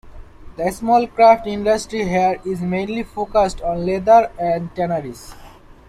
The small craft industry here is mainly focused on leather and tanneries.